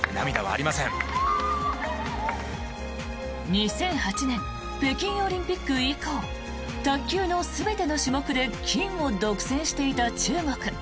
２００８年北京オリンピック以降卓球の全ての種目で金を独占していた中国。